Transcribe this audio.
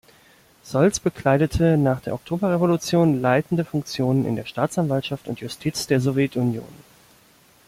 Solz bekleidete nach der Oktoberrevolution leitende Funktionen in der Staatsanwaltschaft und Justiz der Sowjetunion.